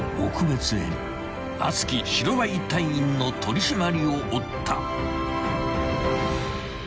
［熱き白バイ隊員の取り締まりを追った］